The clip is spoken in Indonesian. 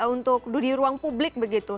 untuk diruang publik begitu